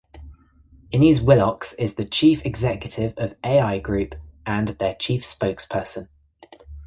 Innes Willox is the Chief Executive of Ai Group and their chief spokesperson.